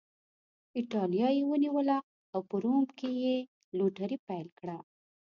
اېټالیا یې ونیوله او په روم کې یې لوټري پیل کړه